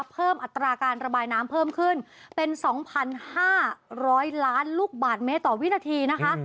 เพิ่มอัตราการระบายน้ำเพิ่มขึ้นเป็นสองพันห้าร้อยล้านลูกบาทเมตรต่อวินาทีนะคะ